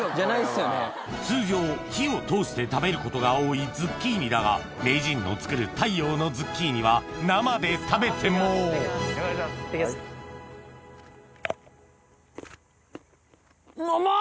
通常火を通して食べることが多いズッキーニだが名人の作る太陽のズッキーニは生で食べてもいただきます。